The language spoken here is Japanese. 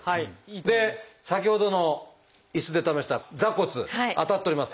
で先ほどの椅子で試した座骨当たっております。